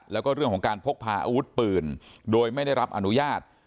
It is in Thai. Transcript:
แล้วก็เรื่องของการพกพาอาวุธปืนโดยไม่ได้รับอนุญาต